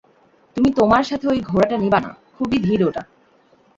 তুমি তোমার সাথে ঐ ঘোড়াটা নিবা না, খুবই ধীর ওটা।